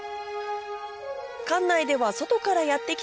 館内では外からやって来た